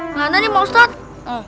gimana nih mau sesuatu